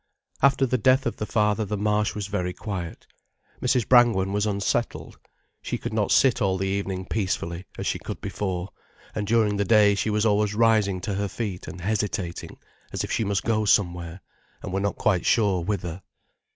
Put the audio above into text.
After the death of the father, the Marsh was very quiet. Mrs. Brangwen was unsettled. She could not sit all the evening peacefully, as she could before, and during the day she was always rising to her feet and hesitating, as if she must go somewhere, and were not quite sure whither.